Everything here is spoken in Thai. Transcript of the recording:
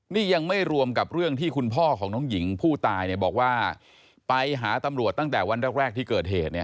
นี่ยังไม่รวมกับเรื่องที่คุณพ่อของน้องหญิงผู้ตายเนี่ยบอกว่าไปหาตำรวจตั้งแต่วันแรกที่เกิดเหตุเนี่ย